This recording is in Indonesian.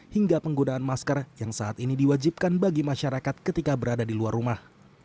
hingga penggunaan masker yang saat ini diwajibkan bagi masyarakat ketika berada di luar rumah